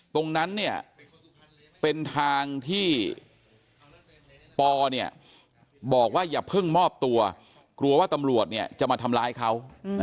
ตรงนั้นเนี่ยเป็นทางที่ปอเนี่ยบอกว่าอย่าเพิ่งมอบตัวกลัวกลัวว่าตำรวจเนี่ยจะมาทำร้ายเขา